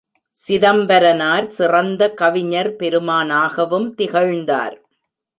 சிதம்பரனார் சிறந்த கவிஞர் பெருமானாகவும் திகழ்ந்தார்.